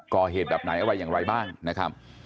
กอเหตุแบบไหนเอาไว้อย่างไรบ้างนะครับ